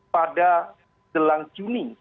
pada jelang juni